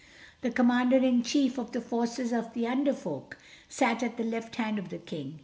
The Commander in Chief of the Forces of the Under Folk sat at the left hand of his King.